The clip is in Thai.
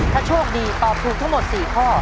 ถ้าโชคดีตอบถูกทั้งหมด๔ข้อ